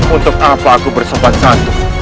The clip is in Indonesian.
untuk apa aku bersopan santun